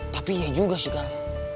tapi iya juga sih kal